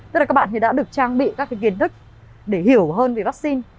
tức là các bạn thì đã được trang bị các kiến thức để hiểu hơn về vaccine